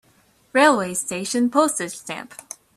Railway station Postage stamp